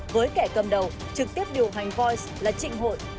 với kẻ cầm đầu trực tiếp điều hành voi là trịnh hội